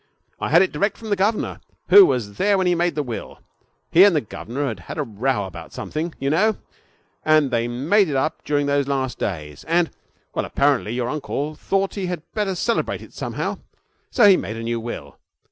I had it direct from the governor, who was there when he made the will. He and the governor had had a row about something, you know, and they made it up during those last days, and Well, apparently your uncle thought he had better celebrate it somehow, so he made a new will.